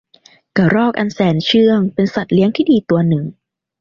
กระรอกอันแสนเชื่องเป็นสัตว์เลี้ยงที่ดีตัวหนึ่ง